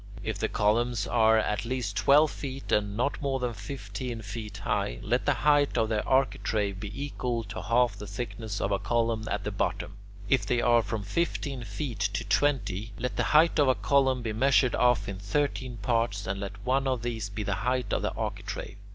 If the columns are at least twelve feet and not more than fifteen feet high, let the height of the architrave be equal to half the thickness of a column at the bottom. If they are from fifteen feet to twenty, let the height of a column be measured off into thirteen parts, and let one of these be the height of the architrave.